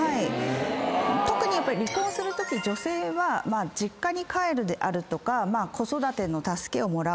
特に離婚するとき女性は実家に帰るであるとか子育ての助けをもらうとか